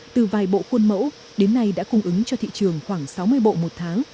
từ vài bộ khuôn mẫu đến nay đã cung ứng cho thị trường khoảng sáu mươi bộ một tháng